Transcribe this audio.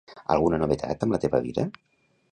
Alguna novetat amb la teva vida?